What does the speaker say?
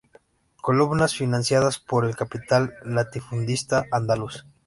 Columnas financiadas por el capital latifundista andaluz.